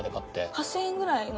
８０００円ぐらいの？